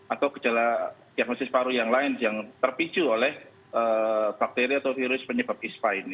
atau gejala diagnosis paru yang lain yang terpicu oleh bakteri atau virus penyebab ispa ini